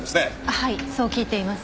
はいそう聞いています。